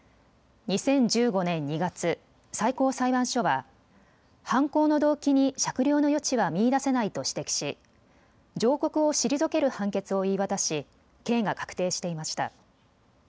２０１５年２月、最高裁判所は犯行の動機に酌量の余地は見いだせないと指摘し上告を退ける判決を言い渡し刑が確定していました。